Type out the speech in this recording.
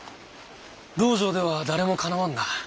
道場では誰もかなわんな。